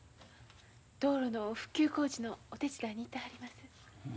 道路の復旧工事のお手伝いに行ってはります。